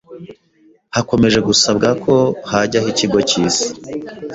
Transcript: hakomeje gusabwa ko hajyaho ikigo cy'isi